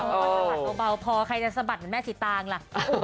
ก็สะบัดเบาพอใครจะสะบัดเหมือนแม่สีตางล่ะ